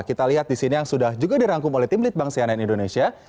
kita lihat di sini yang sudah juga dirangkum oleh tim lead bank sianen indonesia